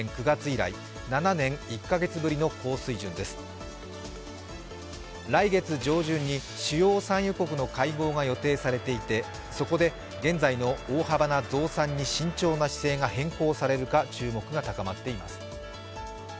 来月上旬に主要産油国の会合が予定されていてそこで現在の大幅な増産に慎重な姿勢が変更されるか注目が高まっています。